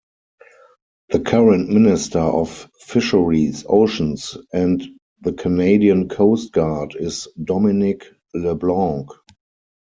The current Minister of Fisheries, Oceans and the Canadian Coast Guard is Dominic LeBlanc.